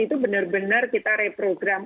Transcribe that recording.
itu benar benar kita reprogram